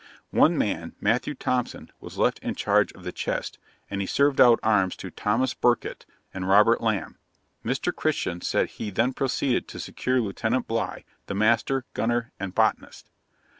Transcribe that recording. One man, Matthew Thompson, was left in charge of the chest, and he served out arms to Thomas Burkitt and Robert Lamb. Mr. Christian said he then proceeded to secure Lieutenant Bligh, the master, gunner, and botanist.'